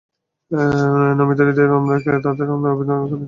নমিত হৃদয়ে তাঁদের আমরা অভিবাদন করি প্রত্যয়ের মুষ্টি তুলে বিজয় দিবসে।